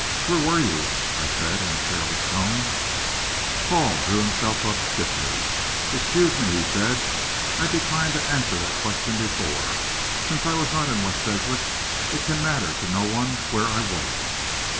"Where were you?" I said, in a careless tone. Hall drew himself up stiffly. "Excuse me," he said. "I declined to answer that question before. Since I was not in West Sedgwick, it can matter to no one where I was."